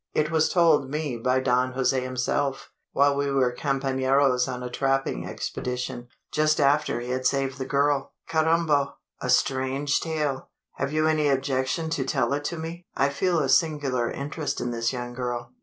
It was told me by Don Jose himself, while we were companeros on a trapping expedition just after he had saved the girl. Carrambo! a strange tale!" "Have you any objection to tell it to me? I feel a singular interest in this young girl."